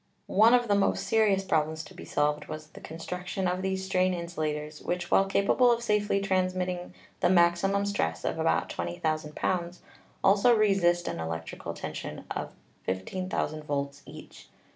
One of the most serious problems to be solved was the construction of these strain insulators, which, while capable of safely transmitting the maximum stress of about 20,000 pounds, also resist an electrical tension of 15,000 volts each.